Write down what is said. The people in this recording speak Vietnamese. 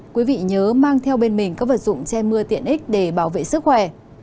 quý vị nhớ mang theo bên mình các vật dụng che mưa tiện ích để bảo vệ sức khỏe